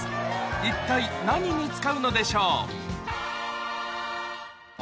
一体何に使うのでしょう？